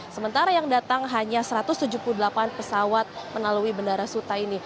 sementara yang datang hanya satu ratus tujuh puluh delapan pesawat melalui bandara suta ini